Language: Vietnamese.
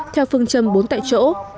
theo phương châm bốn tại chỗ